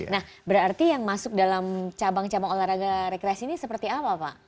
nah berarti yang masuk dalam cabang cabang olahraga rekreasi ini seperti apa pak